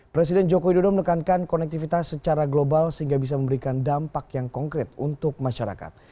presiden joko widodo menekankan konektivitas secara global sehingga bisa memberikan dampak yang konkret untuk masyarakat